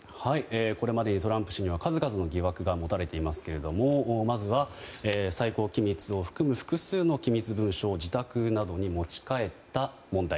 これまでにトランプ氏には数々の疑惑が持たれていますがまずは最高機密を含む複数の機密文書を自宅などに持ち帰った問題。